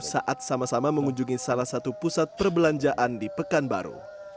saat sama sama mengunjungi salah satu pusat perbelanjaan di pekanbaru